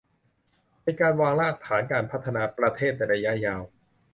เป็นการวางรากฐานการพัฒนาประเทศในระยะยาว